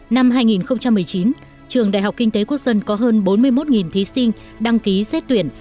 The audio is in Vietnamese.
năm hai nghìn một mươi chín trường đại học kinh tế quốc dân có hơn bốn mươi một thí sinh đăng ký xét tuyển